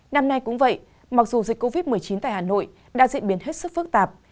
năm nay cũng vậy mặc dù dịch covid một mươi chín tại hà nội đã diễn biến hết sức phức tạp